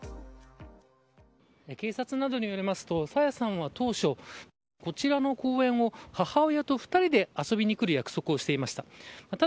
警察などによりますと朝芽さんは当初こちらの公園に母親と２人で遊びに来る約束をしていました。